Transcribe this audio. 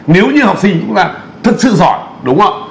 nếu như học sinh chúng ta thật sự giỏi